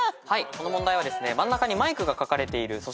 この問題は真ん中にマイクが描かれている。